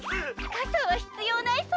かさはひつようないそうです。